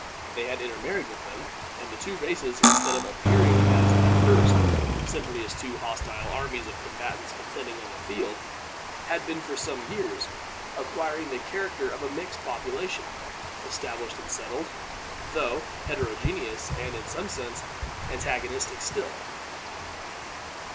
They had intermarried with them; and the two races, instead of appearing, as at first, simply as two hostile armies of combatants contending on the field, had been, for some years, acquiring the character of a mixed population, established and settled, though heterogeneous, and, in some sense, antagonistic still.